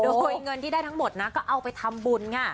โดยเงินที่ได้ทั้งหมดนะก็เอาไปทำบุญค่ะ